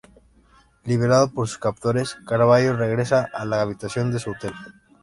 Liberado por sus captores, Carvalho regresa a la habitación de su hotel.